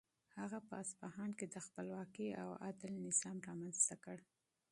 هغه په اصفهان کې د خپلواکۍ او عدل نظام رامنځته کړ.